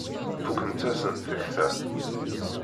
Fukent-asent tekta.